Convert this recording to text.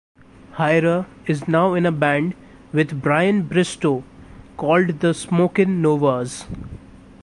Hyra is now in a band with Brian Bristow called the Smokin' Novas.